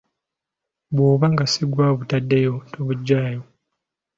Bw’oba nga si gwe obitaddewo, tobiggyaawo.